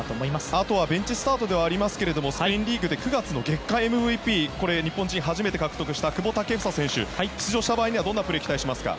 あとはベンチスタートではありますけどもスペインリーグで９月の月間ＭＶＰ日本人で初めて獲得した久保建英選手が出場した場合にはどんなプレーを期待しますか？